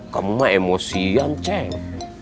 kamu mah emosian ceng